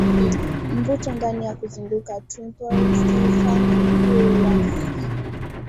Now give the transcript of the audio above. mvutano ndani na kuzunguka Tripoli Stephanie Williams